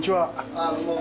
あっ、どうも。